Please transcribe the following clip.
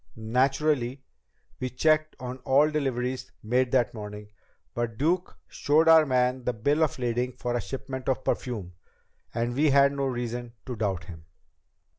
Naturally, we checked on all deliveries made that morning, but Duke showed our man the bill of lading for a shipment of perfume, and we had no reason to doubt him."